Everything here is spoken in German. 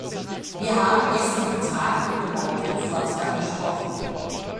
Wir haben gestern getagt und den weiteren Fortgang besprochen.